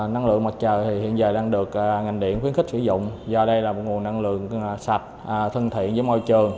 năng lượng mặt trời thì hiện giờ đang được ngành điện khuyến khích sử dụng do đây là một nguồn năng lượng sạch thân thiện với môi trường